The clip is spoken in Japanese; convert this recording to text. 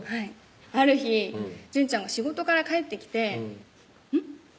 ある日淳ちゃんが仕事から帰ってきてうん？